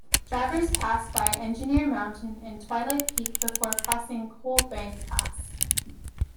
Drivers pass by Engineer Mountain and Twilight Peak before crossing Coal Bank Pass.